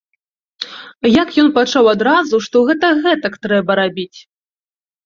Як ён пачаў адразу, што гэта гэтак трэба рабіць!